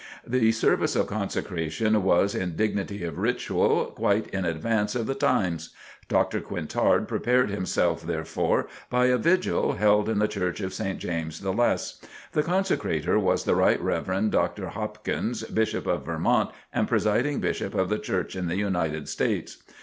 The service of Consecration was, in dignity of ritual, quite in advance of the times. Dr. Quintard prepared himself therefor, by a vigil held in the Church of St. James the Less. The Consecrator was the Rt. Rev. Dr. Hopkins, Bishop of Vermont and Presiding Bishop of the Church in the United States.